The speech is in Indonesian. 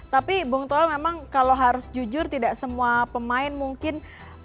tapi bung toel memang kalau harus jujur tidak semua pemain mungkin